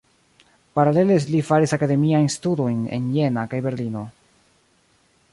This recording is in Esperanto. Paralele li faris akademiajn studojn en Jena kaj Berlino.